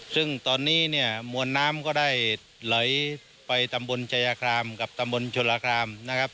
ซึ่งตอนนี้เนี่ยมวลน้ำก็ได้ไหลไปตำบลชายาครามกับตำบลชนราคามนะครับ